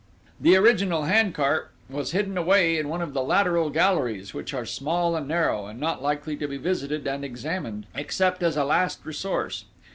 "The original hand cart was hidden away in one of the lateral galleries, which are small and narrow, and not likely to be visited and examined, except as a last resource.